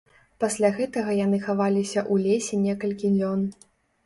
Пасля гэтага яны хаваліся ў лесе некалькі дзён.